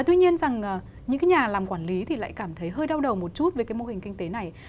tuy nhiên rằng những cái nhà làm quản lý thì lại cảm thấy hơi đau đầu một chút với cái mô hình kinh tế này